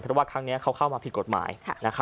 แต่ว่าทางครั้งนี้เขาเข้ามาผิดกฎหมาย